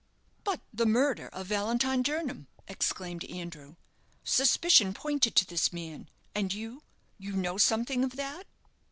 "But the murder of Valentine Jernam!" exclaimed Andrew. "Suspicion pointed to this man; and you you know something of that?"